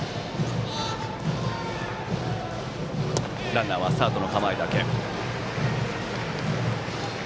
ランナーはスタートの構えだけ。